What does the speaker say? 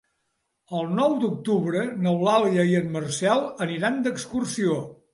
El nou d'octubre n'Eulàlia i en Marcel aniran d'excursió.